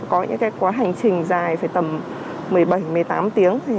có những quá hành trình dài phải tầm một mươi bảy một mươi tám tiếng